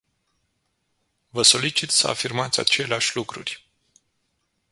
Vă solicit să afirmați aceleași lucruri.